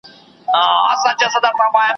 د هر چا به ښه او بد ټوله د ځان وای ,